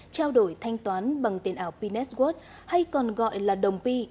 trao đổi thanh toán bằng tiền ảo p network hay còn gọi là đồng pi